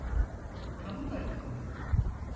Tam olarak mı?